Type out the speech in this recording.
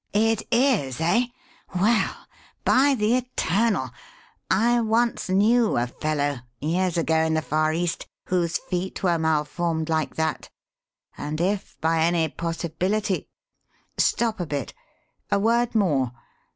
"It is, eh? Well, by the Eternal! I once knew a fellow years ago, in the Far East whose feet were malformed like that; and if by any possibility Stop a bit! A word more.